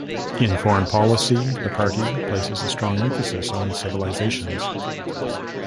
In foreign policy, the party places a strong emphasis on civilizations.